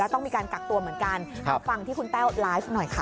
ต้องมีการกักตัวเหมือนกันฟังที่คุณแต้วไลฟ์หน่อยค่ะ